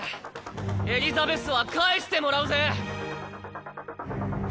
エリザベスは返してもらうぜ。